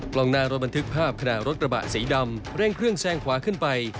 กล้องหน้ารถบันทึกภาพขณะรถกระบะสีดำเร่งเครื่องแซงขวาขึ้นไป